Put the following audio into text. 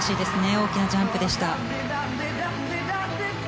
大きなジャンプでした。